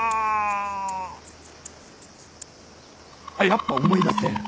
やっぱ思い出せん。